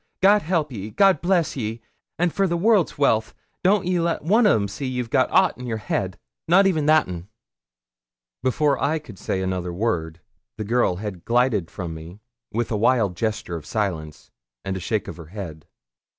God help ye; God bless ye; an', for the world's wealth, don't ye let one o' them see ye've got ought in your head, not even that un.' Before I could say another word, the girl had glided from me, with a wild gesture of silence, and a shake of her head.